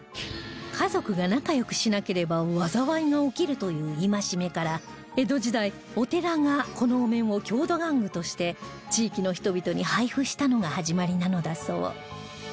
家族が仲良くしなければ災いが起きるという戒めから江戸時代お寺がこのお面を郷土玩具として地域の人々に配布したのが始まりなのだそう